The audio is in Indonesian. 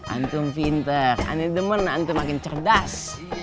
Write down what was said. antum pintar kan ini demen antum makin cerdas